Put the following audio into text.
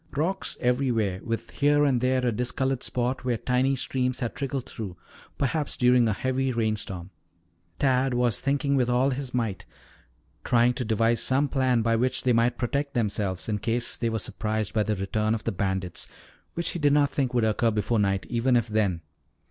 Rocks everywhere, with here and there a discolored spot where tiny streams had trickled through, perhaps during a heavy rainstorm. Tad was thinking with all his might, trying to devise some plan by which they might protect themselves in case they were surprised by the return of the bandits, which he did not think would occur before night, even if then.